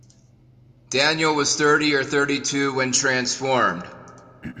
Daniel was thirty or thirty-two when transformed.